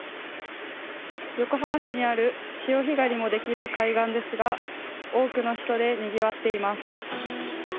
横浜市にある潮干狩りもできる海岸ですが多くの人でにぎわっています。